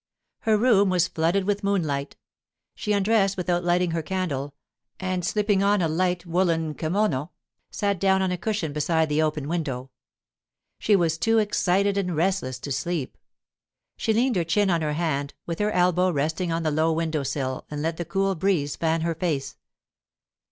Her room was flooded with moonlight; she undressed without lighting her candle, and slipping on a light woollen kimono, sat down on a cushion beside the open window. She was too excited and restless to sleep. She leaned her chin on her hand, with her elbow resting on the low window sill, and let the cool breeze fan her face.